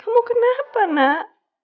kamu kenapa nak